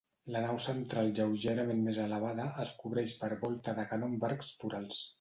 La nau central lleugerament més elevada, es cobreix per volta de canó amb arcs torals.